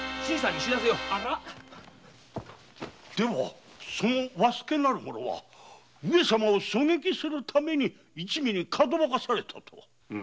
ではその和助なる者は上様を狙撃するために一味にかどわかされたと？